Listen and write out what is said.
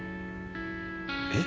えっ？